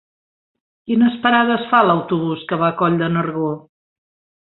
Quines parades fa l'autobús que va a Coll de Nargó?